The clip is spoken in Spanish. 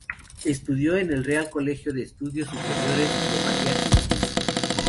Estudió en el Real Colegio de Estudios Superiores de María Cristina.